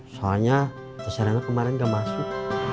soalnya tes serena kemarin gak masuk